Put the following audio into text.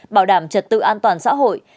bảo đảm trật tự an toàn xã hội